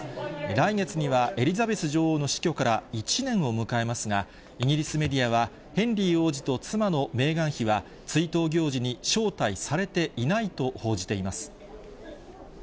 来月には、エリザベス女王の死去から１年を迎えますが、イギリスメディアは、ヘンリー王子と妻のメーガン妃は、追悼行事に招待されていないと報じています。